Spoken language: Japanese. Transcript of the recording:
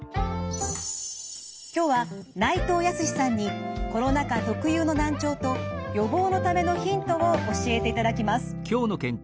今日は内藤泰さんにコロナ禍特有の難聴と予防のためのヒントを教えていただきます。